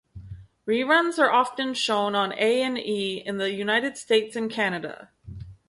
Reruns are often shown on A and E in the United States and Canada.